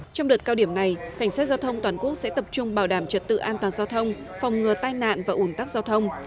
trong đợt cao điểm này cảnh sát giao thông toàn quốc sẽ tập trung bảo đảm trật tự an toàn giao thông phòng ngừa tai nạn và ủn tắc giao thông